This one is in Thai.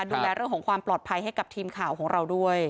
ดูแลเรื่องของความปลอดภัยให้กับทีมข่าวของเราด้วย